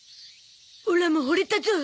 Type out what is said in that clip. オラもほれたゾ。